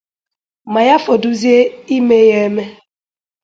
ma ya fọdụzie ime ya eme